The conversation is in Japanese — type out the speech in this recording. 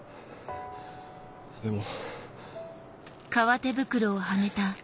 でも。